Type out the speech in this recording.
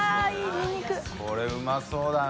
海うまそうだな。